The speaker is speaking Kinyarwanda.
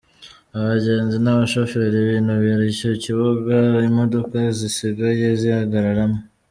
Abagenzi n’abashoferi binubira icyo kibuga imodoka zisigaye zihagararamo.